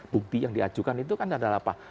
bukti yang diajukan itu kan adalah apa